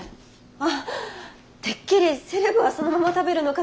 あってっきりセレブはそのまま食べるのかと。